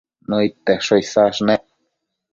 Nëid tesho isash nec